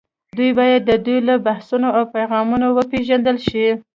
دوی باید د دوی له بحثونو او پیغامونو وپېژندل شي